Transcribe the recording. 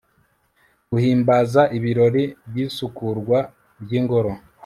guhimbaza ibirori by'isukurwa ry'ingoro